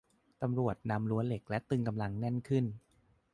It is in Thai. ตำรวจนำรั่วเหล็กและตึงกำลังแน่นขึ้น